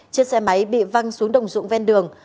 chiếc xe máy bị văng xuống đồng dụng ven đường